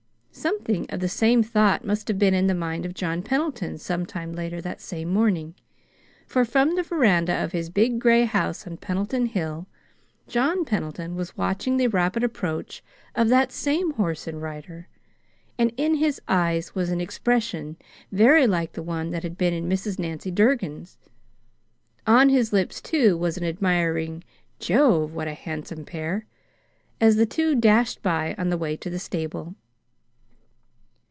Something of the same thought must have been in the mind of John Pendleton some time later that same morning, for, from the veranda of his big gray house on Pendleton Hill, John Pendleton was watching the rapid approach of that same horse and rider; and in his eyes was an expression very like the one that had been in Mrs. Nancy Durgin's. On his lips, too, was an admiring "Jove! what a handsome pair!" as the two dashed by on the way to the stable.